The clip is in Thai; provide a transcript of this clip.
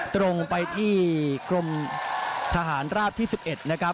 ตรงไปที่กรมทหารราบที่๑๑นะครับ